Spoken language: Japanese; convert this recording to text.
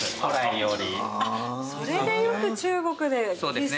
それでよく中国でひすい。